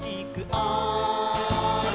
「おい！」